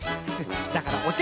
だからおて！